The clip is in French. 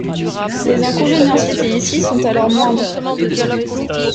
Les inconvénients cités ici sont alors moindres.